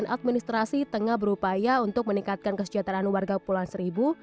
dan administrasi tengah berupaya untuk meningkatkan kesejahteraan warga kepulauan seribu